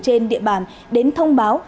trên địa bàn đến thông báo